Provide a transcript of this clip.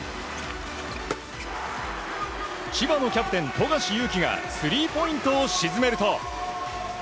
千葉のキャプテン、富樫勇樹がスリーポイントを沈めると。